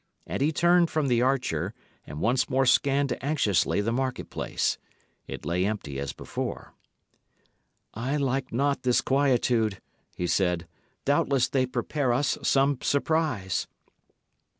And he turned from the archer, and once more scanned anxiously the market place. It lay empty as before. "I like not this quietude," he said. "Doubtless they prepare us some surprise."